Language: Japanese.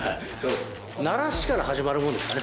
慣らしから始まるものですからね